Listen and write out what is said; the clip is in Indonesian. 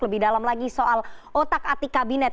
lebih dalam lagi soal otak atik kabinet